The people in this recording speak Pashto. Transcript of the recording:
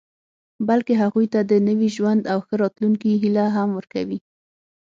بلکې هغوی ته د نوي ژوند او ښه راتلونکي هیله هم ورکوي